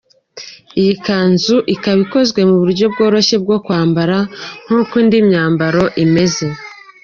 Iyi kanzu ikaba ikozwe mu buryo bworoshye kwambara nk’uko indi myambaro imeze.